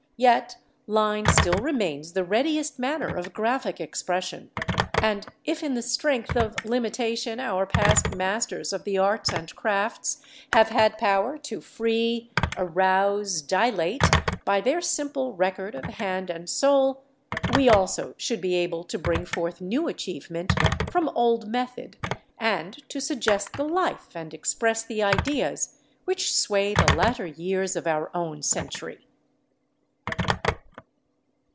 Yet line still remains the readiest manner of graphic expression; and if in the strength of limitation our past masters of the arts and crafts have had power to "free, arouse, dilate" by their simple record of hand and soul, we also should be able to bring forth new achievement from old method, and to suggest the life and express the ideas which sway the latter years of our own century.